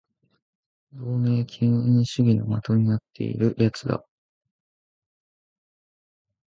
同盟敬遠主義の的になっている奴だ